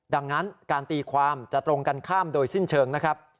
ดังนั้นการตีความจะตรงกันข้ามโดยสิ้นเชิงนะครับ